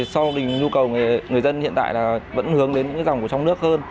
so với nhu cầu người dân hiện tại vẫn hướng đến những dòng của trong nước hơn